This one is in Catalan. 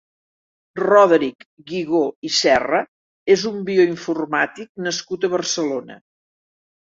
Roderic Guigó i Serra és un bioinformàtic nascut a Barcelona.